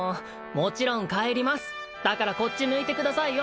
もちろん帰りますだからこっち向いてくださいよ